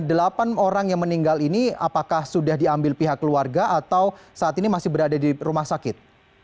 dan delapan orang yang meninggal ini apakah sudah diambil pihak keluarga atau saat ini masih berada di rumah sakit